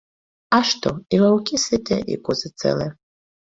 А што, і ваўкі сытыя, і козы цэлыя.